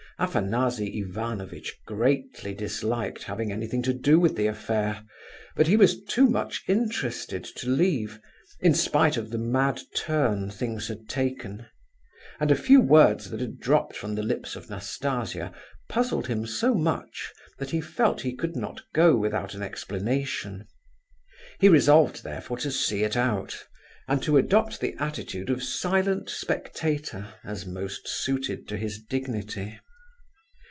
Afanasy Ivanovitch greatly disliked having anything to do with the affair, but he was too much interested to leave, in spite of the mad turn things had taken; and a few words that had dropped from the lips of Nastasia puzzled him so much, that he felt he could not go without an explanation. He resolved therefore, to see it out, and to adopt the attitude of silent spectator, as most suited to his dignity.